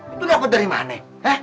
itu aku dari mana